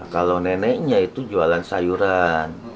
kalau neneknya itu jualan sayuran